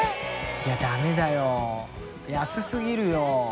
いやダメだよ安すぎるよ。